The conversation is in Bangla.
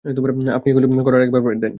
আপনি গুলি করার আগে একবার দেন।